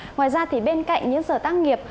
ngoài ra thì bên cạnh những giờ tác nghiệp